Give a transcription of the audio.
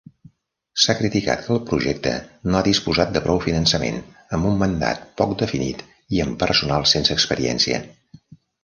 S'ha criticat que el projecte no ha disposat de prou finançament, amb un mandat poc definit i amb personal sense experiència.